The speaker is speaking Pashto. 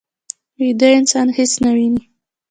ویده انسان هېڅ نه ویني